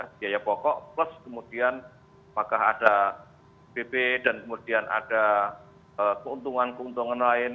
biaya pokok plus kemudian apakah ada bp dan kemudian ada keuntungan keuntungan lain